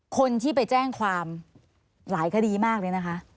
คนที่ไปแจ้งความหลายคดีมากเลยนะคะ